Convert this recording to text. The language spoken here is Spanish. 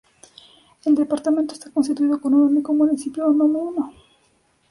El departamento está constituido con un único municipio homónimo.